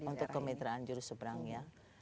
untuk kemitraan jurus seberangnya